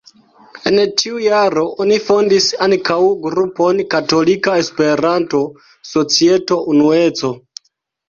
En tiu jaro oni fondis ankaŭ grupon Katolika Esperanto-Societo Unueco.